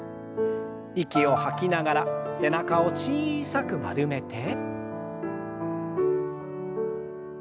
息を吐きながら背中を小さく丸めて。